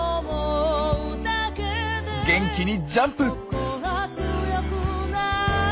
元気にジャンプ！